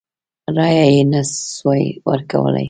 رایه یې نه سوای ورکولای.